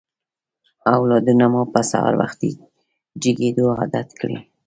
اولادونه مو په سهار وختي جګېدو عادت کړئ.